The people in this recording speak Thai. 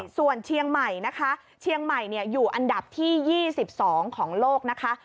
ส่วนเชียงใหม่นะคะเชียงใหม่อยู่อันดับที่๒๒ของโลกนะคะ